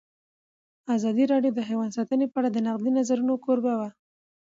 ازادي راډیو د حیوان ساتنه په اړه د نقدي نظرونو کوربه وه.